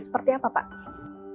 seperti apa pak